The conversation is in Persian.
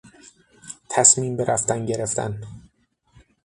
تصمیم به رفتن گرفتن